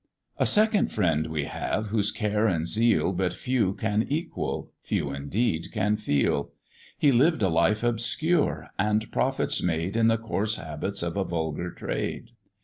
A second friend we have, whose care and zeal But few can equal few indeed can feel; He lived a life obscure, and profits made In the coarse habits of a vulgar trade.